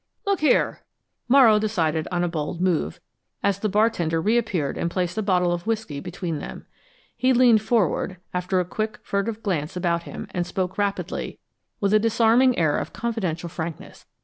"Look here!" Morrow decided on a bold move, as the bartender reappeared and placed a bottle of whisky between them. He leaned forward, after a quick, furtive glance about him, and spoke rapidly, with a disarming air of confidential frankness.